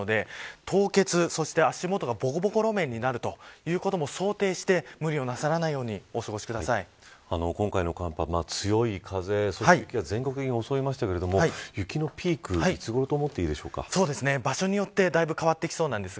凍結、そして足元がぼこぼこ路面になるということも想定して無理をなさらないように今回の寒波は強い風そして全国的に襲いましたが雪のピークいつごろと場所によってだいぶ変わってきそうです。